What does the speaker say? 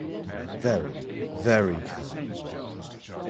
Very, very kind.